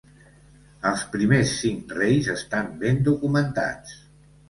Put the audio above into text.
Els primers cinc reis estan ben documentats.